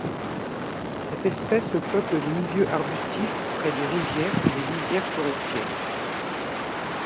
Cette espèce peuple les milieux arbustifs près des rivières et les lisières forestières.